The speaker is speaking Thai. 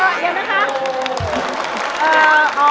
เออเห็นมั้ยคะ